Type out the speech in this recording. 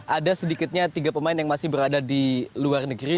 ada sedikitnya tiga pemain yang masih berada di luar negeri